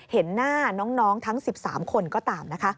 เห็นหน้าน้องทั้ง๑๓คนก็ตามนะคะ